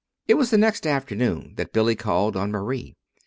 It was the next afternoon that Billy called on Marie.